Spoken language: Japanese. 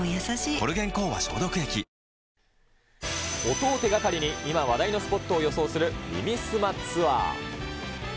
音を手がかりに、今話題のスポットを予想する耳すまツアー。